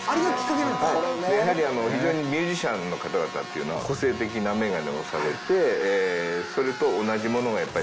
やはり非常にミュージシャンの方々っていうのは個性的なメガネをされてそれと。